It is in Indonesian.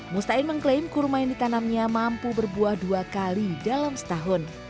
mustain mengklaim kurma yang ditanamnya mampu berbuah dua kali dalam setahun